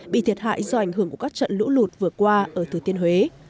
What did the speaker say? bị thiệt hại do ảnh hưởng của các trận lũ lụt vừa qua ở thừa thiên huế